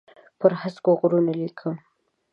پر هسکو غرونو لیکم